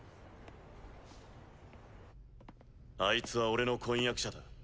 あいつは俺の婚約者だ。